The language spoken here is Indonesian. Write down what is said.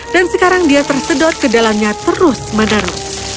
dan sekarang dia tersedot ke dalamnya terus madaro